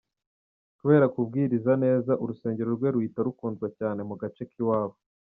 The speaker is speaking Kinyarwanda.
Kubera kubwiriza neza, urusengero rwe ruhita rukundwa cyane mu gace k’iwabo.